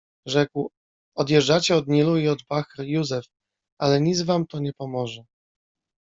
Rzekł: — Odjeżdżacie od Nilu i od Bahr-Jussef, ale nic wam to nie pomoże.